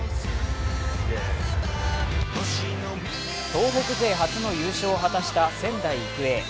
東北勢初の優勝を果たした仙台育英。